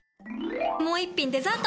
もう一品デザート！